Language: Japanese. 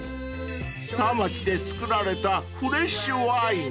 ［田町で造られたフレッシュワイン］